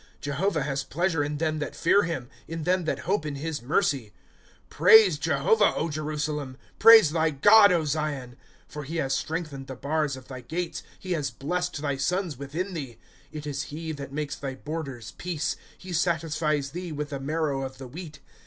" Jehovah has pleasure in them that fear him, In them that hope in his mercy. ^^ Praise Jehovah, O Jerusalem ; Praise thy God, Zion. 1^ For he has strengthened the bars of thy gates ; He has blest thy sons within thee. " It is he tiiat makes thy borders peace ; He satisfies thee with the marrow of the wheat.